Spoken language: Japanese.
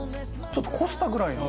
ちょっとこしたぐらいの。